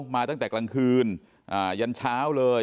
มาตั้งแต่กลางคืนยันเช้าเลย